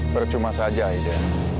bercuma saja aida